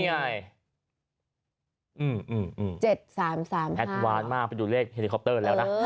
๗๓๓แอดวานมากไปดูเลขเฮลิคอปเตอร์แล้วนะ